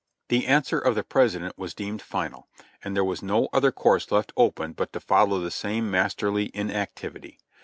The answer of the President was deemed final, and there was no other course left open but to follow the same masterly in activity.